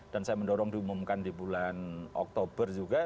dan saya mendorong diumumkan di bulan oktober juga